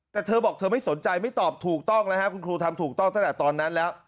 แต่เธอบอกเธอไม่สนใจไม่ตอบถูกต้องแล้วครับคุณครูทำถูกต้องตั้งแต่ตอนนั้นแล้ว